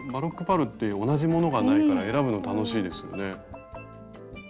パールって同じものがないから選ぶの楽しいですよね。